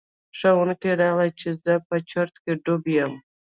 ښوونکي راغلل چې زه په چرت کې ډوب یم.